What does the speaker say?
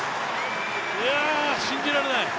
いや、信じられない！